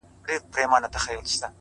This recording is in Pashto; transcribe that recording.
زما زړه په محبت باندي پوهېږي”